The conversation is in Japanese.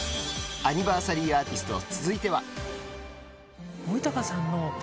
アニバーサリーアーティスト続いては。